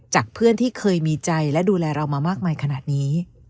เพื่อนที่เคยมีใจและดูแลเรามามากมายขนาดนี้